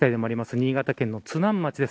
新潟町の津南町です。